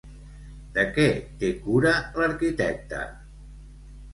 De què té cura l'arquitecta?